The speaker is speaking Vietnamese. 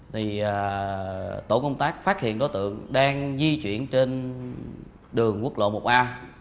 trong khoảng sáu giờ tìm kiếm tổ công tác phát hiện đối tượng đang di chuyển trên đường quốc lộ một a